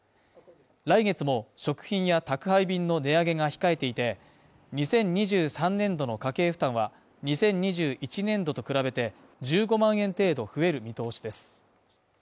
来月も食品や宅配便の値上げが控えていて、２０２３年度の家計負担は、２０２１年度と比べて１５万円程度増える見通しです